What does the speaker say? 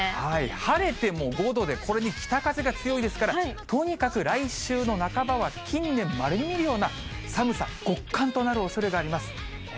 晴れても５度で、これに北風が強いですから、とにかく来週の半ばは、近年まれに見るような寒さ、極寒となるおそれがありますね。